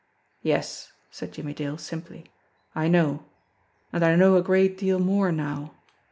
"Yes," said Jimmie Dale simply. "I know. And I know a great deal more now.